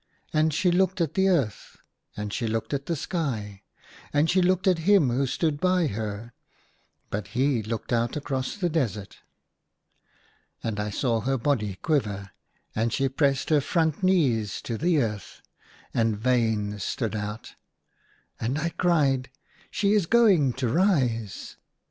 And she looked at the earth, and she looked at the sky, and she looked at him who stood by her : but he looked out across the desert. And I saw her body quiver ; and she pressed her front knees to the earth, and veins stood out ; and I cried, " She is going to rise !